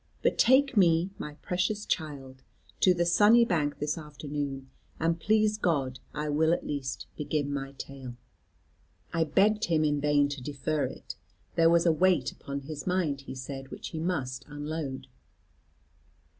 But take me, my precious child, to the sunny bank this afternoon, and please God, I will at least begin my tale." I begged him in vain to defer it: there was a weight upon his mind, he said, which he must unload.